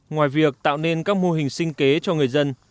ngoài việc tạo nên các mô hình sinh kế cho người dân